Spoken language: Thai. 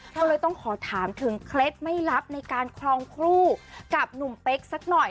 ก็เลยต้องขอถามถึงเคล็ดไม่ลับในการครองครูกับหนุ่มเป๊กสักหน่อย